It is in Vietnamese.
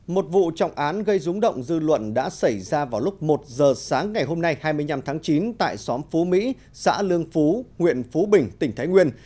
một vụ trọng án gây rúng động dư luận đã xảy ra vào lúc một giờ sáng ngày hôm nay hai mươi năm tháng chín tại xóm phú mỹ xã lương phú huyện phú bình tỉnh thái nguyên